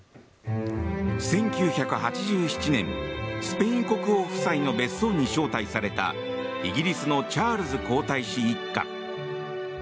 １９８７年スペイン国王夫妻の別荘に招待されたイギリスのチャールズ皇太子一家。